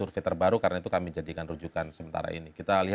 pertanyaan mana tadi